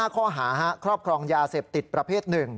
ข้อหาครอบครองยาเสพติดประเภท๑